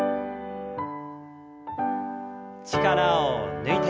力を抜いて。